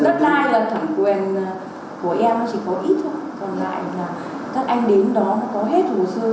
đất đai là thẩm quyền của em chỉ có ít thôi còn lại là các anh đến đó mới có hết hồ sơ